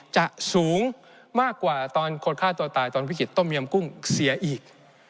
สูงมากกว่าตอนคนฆ่าตัวตายตอนวิกฤตต้มยำกุ้งเสียอีก